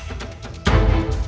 lo ngamper disini